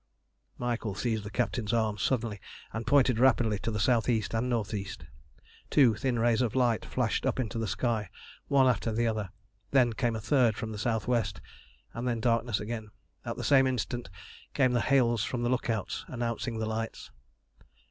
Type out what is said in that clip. Michael seized the captain's arm suddenly, and pointed rapidly to the south east and north east. Two thin rays of light flashed up into the sky one after the other. Then came a third from the south west, and then darkness again. At the same instant came the hails from the look outs announcing the lights.